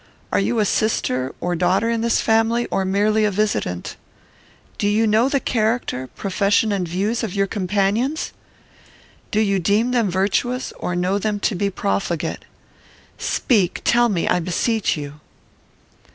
Are you a sister or daughter in this family, or merely a visitant? Do you know the character, profession, and views of your companions? Do you deem them virtuous, or know them to be profligate? Speak! tell me, I beseech you!"